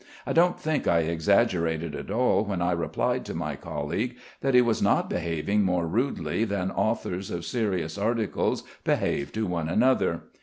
I don't think I exaggerated at all when I replied to my colleague that he was not behaving more rudely than authors of serious articles behave to one another.